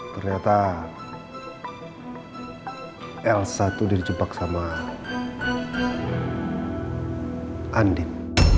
ternyata elsa itu dijepak sama andin